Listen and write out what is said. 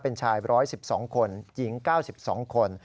เป็นชาย๑๑๒คนหญิง๙๒คน